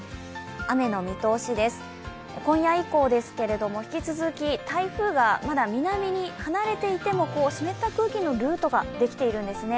雨の見通しです、今夜以降引き続き台風がまだ南に、離れていても湿った空気のルートができているんですね。